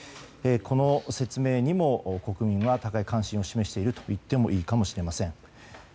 この説明にも、国民は高い関心を示しているといってもいいかもしれません。